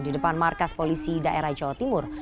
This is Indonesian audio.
di depan markas polisi daerah jawa timur